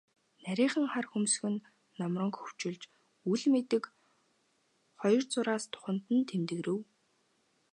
Нарийхан хар хөмсөг нь нумран хөвчилж, үл мэдэг хоёр зураас духанд нь тэмдгэрэв.